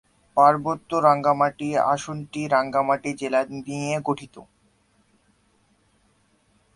পার্বত্য রাঙ্গামাটি আসনটি রাঙ্গামাটি জেলা নিয়ে গঠিত।